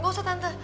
gak usah tante